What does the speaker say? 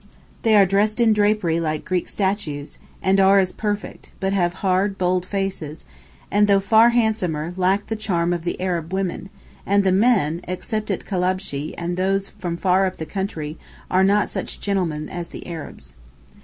They are dressed in drapery like Greek statues, and are as perfect, but have hard, bold faces, and, though far handsomer, lack the charm of the Arab women; and the men, except at Kalabshee and those from far up the country, are not such gentlemen as the Arabs.